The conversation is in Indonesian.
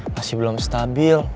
masih belum stabil